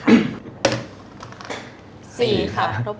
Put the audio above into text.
๔ค่ะรบกวน